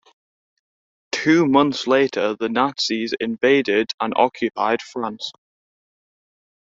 Two months later the Nazis invaded and occupied France.